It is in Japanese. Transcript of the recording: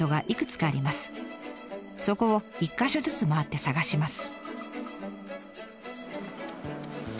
そこを１か所ずつ回って捜します。